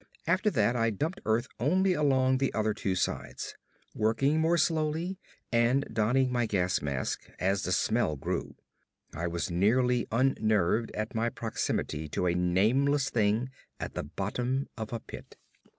After that I dumped earth only along the other two sides; working more slowly and donning my gas mask as the smell grew. I was nearly unnerved at my proximity to a nameless thing at the bottom of a pit.